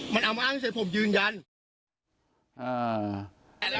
มันเอามาอ้างเสร็จผมยืนยัน